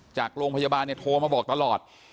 จากโรงพยาบาลเนี่ยโทรมาบอกตลอด